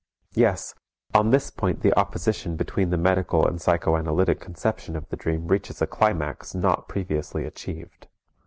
Yes, on this point the opposition between the medical and psychoanalytic conception of the dream reaches a climax not previously achieved.